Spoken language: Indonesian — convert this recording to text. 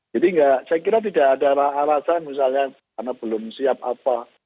jadi saya kira tidak ada alasan misalnya karena belum siap apa